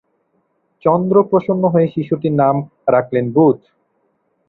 চন্দ্র প্রসন্ন হয়ে শিশুটির নাম রাখলেন বুধ।